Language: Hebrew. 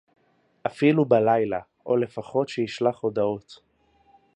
אפילו בלילה, או לפחות שישלח הודעות